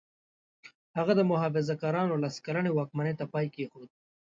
هغه د محافظه کارانو لس کلنې واکمنۍ ته پای کېښود.